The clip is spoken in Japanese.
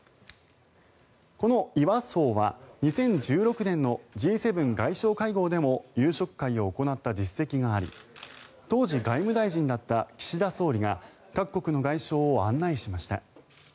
この岩惣は２０１６年のＧ７外相会合でも夕食会を行った実績があり当時、外務大臣だった岸田総理が各国の外相を案内しました。